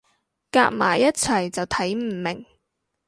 夾埋一齊就睇唔明